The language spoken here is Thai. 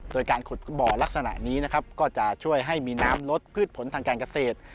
โดยการขุดบ่อลักษณะนี้นะครับก็จะช่วยให้มีน้ำลดพืชผลทางการเกษตร